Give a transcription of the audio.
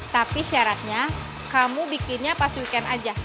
tapi syaratnya kamu bikinnya pas weekend aja